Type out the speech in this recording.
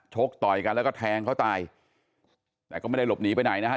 ต่อยกันแล้วก็แทงเขาตายแต่ก็ไม่ได้หลบหนีไปไหนนะครับ